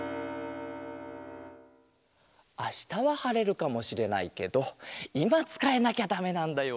あしたははれるかもしれないけどいまつかえなきゃだめなんだよ